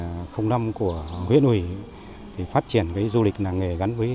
theo chương trình năm của nguyễn uỷ phát triển du lịch